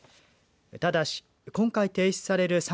ただし、今回停止される